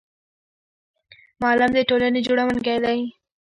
معلم د ټولنې جوړونکی دی